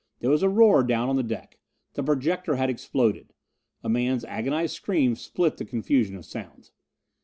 There was a roar down on the deck. The projector had exploded. A man's agonized scream split the confusion of sounds.